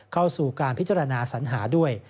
เข้าสู่การพิจารณาสัญหาด้วย